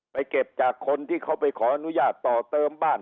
เก็บจากคนที่เขาไปขออนุญาตต่อเติมบ้าน